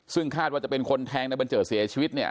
ซึ่งคาดว่าจะเป็นคนแทงนายบัญเจอร์เสียชีวิต